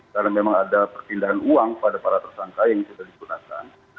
karena memang ada perpindahan uang pada para tersangka yang sudah digunakan